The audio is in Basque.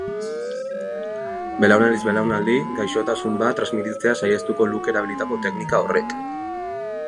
Belaunaldiz belaunaldi gaixotasun bat transmititzea saihestuko luke erabilitako teknika horrek.